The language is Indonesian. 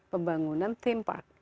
pembangunan theme park